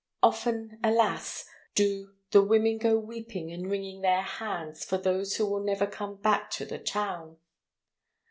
Often, alas! do "The women go weeping and wringing their hands, For those who will never come back to the town."